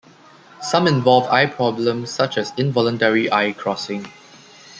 Some involve eye problems, such as involuntary eye crossing.